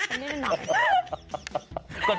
แค่นั้นแหละ